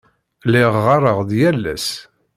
Lliɣ ɣɣareɣ-d yal ass.